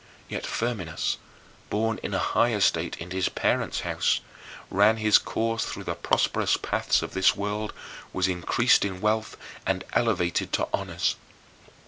And yet Firminus, born in a high estate in his parents' house, ran his course through the prosperous paths of this world, was increased in wealth, and elevated to honors.